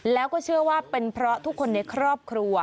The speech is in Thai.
แล้วก็เชื่อว่าเป็นเพราะทุกคนในครอบครัว